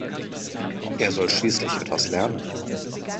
Er soll schließlich etwas lernen.